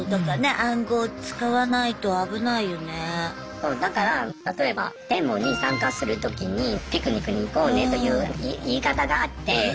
そうだから例えばデモに参加するときに「ピクニックに行こうね」という言い方があって。